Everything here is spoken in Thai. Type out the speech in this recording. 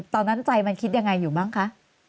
ตอนนั้นใจมันคิดยังไงอยู่บ้างคะ